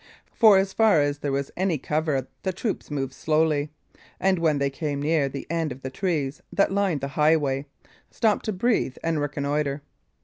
For as far as there was any cover the troops moved slowly, and when they came near the end of the trees that lined the highway, stopped to breathe and reconnoitre.